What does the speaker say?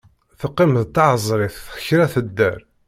Teqqim d taεeẓrit kra tedder.